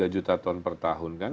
tiga juta ton per tahun kan